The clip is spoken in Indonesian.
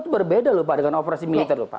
itu berbeda lho pak dengan operasi militer